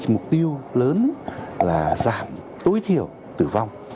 mục tiêu lớn là giảm tối thiểu tử vong